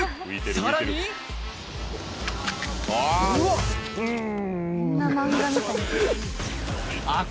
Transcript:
さらにん！